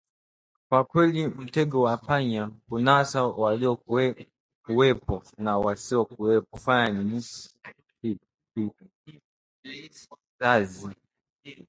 Kwa kweli mtego wa panya hunasa waliokuwepo na wasiokuwepo kwani ni kizazi